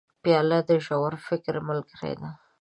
پیاله د ژور فکر ملګرې ده.